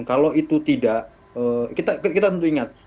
kalau itu tidak kita tentu ingat